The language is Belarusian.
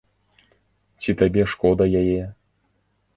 Ці табе шкода яе?